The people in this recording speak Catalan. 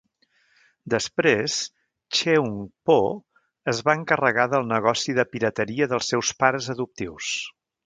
Després, Cheung Po es va encarregar del negoci de pirateria dels seus pares adoptius.